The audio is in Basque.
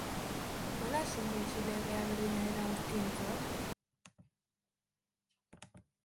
Nola sinetsi legea berdina dela guztientzat?